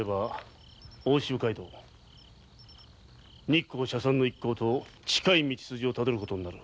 日光社参の一行と近い道筋を辿ることになる。